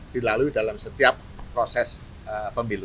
dilalui dalam setiap proses pemilu